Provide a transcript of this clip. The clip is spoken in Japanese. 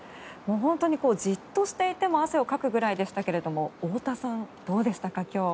本当にじっとしていても汗をかくぐらいでしたが太田さん、どうでしたか？